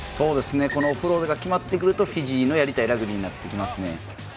このオフロードが決まってくるとフィジーのやりたいラグビーになってきますね。